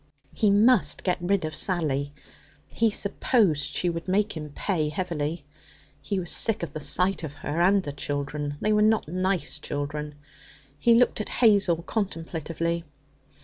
He must get rid of Sally. He supposed she would make him pay heavily. He was sick of the sight of her and the children. They were not nice children. He looked at Hazel contemplatively.